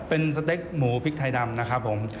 เป็นสเต็กหมูพริกไทยดำนะครับผม